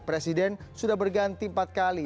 presiden sudah berganti empat kali